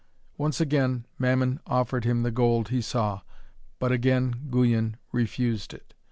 Once again Mammon offered him the gold he saw, but again Guyon refused it.